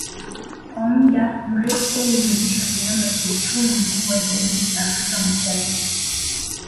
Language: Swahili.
kwa muda mrefu Kenya imevishwa kilemba cha uchumi mkubwa zaidi Afrika Mashariki